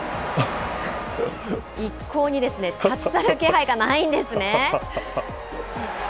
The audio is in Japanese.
一向に立ち去る気配がないんですね。